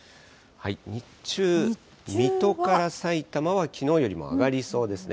日中、水戸からさいたまはきのうよりも上がりそうですね。